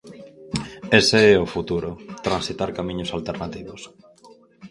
Ese é o futuro: transitar camiños alternativos.